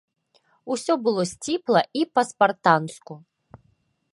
Усё было сціпла і па-спартанску.